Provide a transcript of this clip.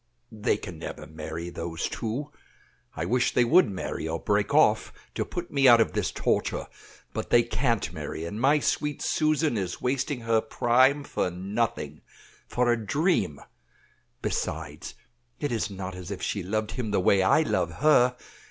"They can never marry, those two. I wish they would marry or break off, to put me out of this torture; but they can't marry, and my sweet Susan is wasting her prime for nothing, for a dream. Besides, it is not as if she loved him the way I love her.